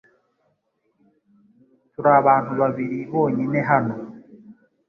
Turi abantu babiri bonyine hano .